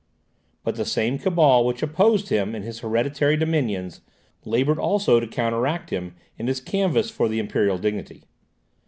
But the same cabal which opposed him in his hereditary dominions, laboured also to counteract him in his canvass for the imperial dignity.